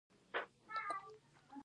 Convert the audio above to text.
آیا انټرنیټ په کتابتون کې وړیا نه دی؟